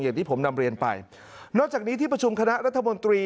อย่างที่ผมนำเรียนไปนอกจากนี้ที่ประชุมคณะรัฐมนตรี